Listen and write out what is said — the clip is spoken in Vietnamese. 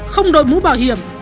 không đội mũ bảo hiểm